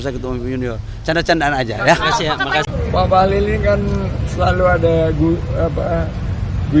saya gitu umum junior cenderung aja ya makasih pak halil kan selalu ada gu gu